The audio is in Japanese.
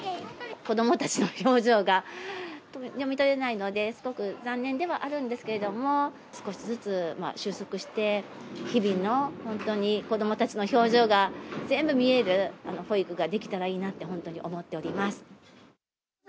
子どもたちの表情が読み取れないので、すごく残念ではあるんですけれども、少しずつ、収束して日々の本当に子どもたちの表情が全部見える保育ができたらいいなって、本当に思っております。